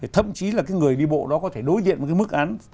thậm chí là cái người đi bộ đó có thể đối diện với mức án